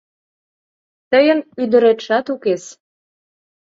— Тыйын ӱдыретшат укес.